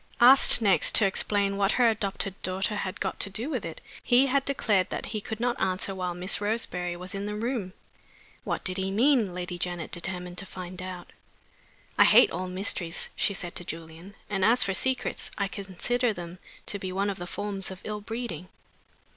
Asked next to explain what her adopted daughter had got to do with it, he had declared that he could not answer while Miss Roseberry was in the room. What did he mean? Lady Janet determined to find out. "I hate all mysteries," she said to Julian. "And as for secrets, I consider them to be one of the forms of ill breeding.